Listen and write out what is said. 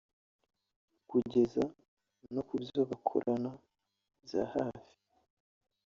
kugeza no kubyo bakorana byahafi